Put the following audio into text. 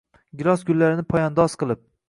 gilos gullarini poyandoz qilib